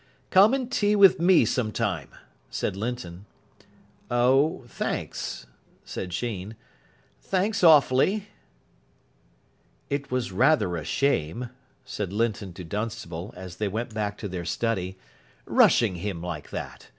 "Come and tea with me some time," said Linton. "Oh, thanks," said Sheen. "Thanks awfully." "It was rather a shame," said Linton to Dunstable, as they went back to their study, "rushing him like that.